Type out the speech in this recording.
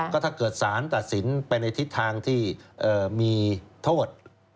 ก็ถ้าเกิดสารตัดสินไปในทิศทางที่มีโทษ